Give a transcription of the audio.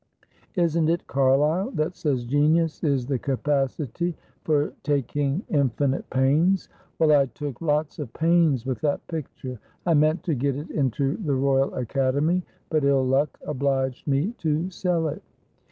Isn't it Carlyle that says 'Genius is the capacity for taking infinite pains.' Well, I took lots of pains with that picture. I meant to get it into the Royal Academy, but ill luck obliged me to sell it."